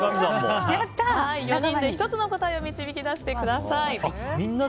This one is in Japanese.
４人で１つの答えを導き出してください。